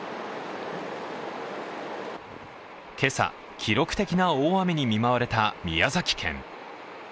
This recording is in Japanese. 今朝、記録的な大雨に見舞われた宮崎県。